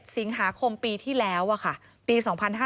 สิงหาคมปีที่แล้วปี๒๕๕๙